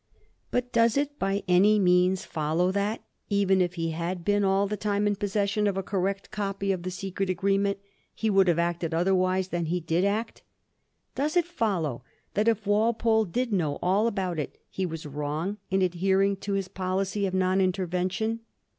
But does it by any means follow that, even if he had been all the time in possession of a correct copy of the secret agreement, he would have acted otherwise than as he did act? Does it follow that if Walpole did know all about it, he was wrong in adhering to his policy of non intervention?